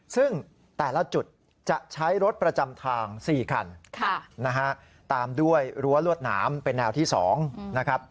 ซึ่งแต่ละจุดจะใช้รถประจำทาง๔คันนะฮะตามด้วยรั้วลวดหนามเป็นแนวที่๒นะครับ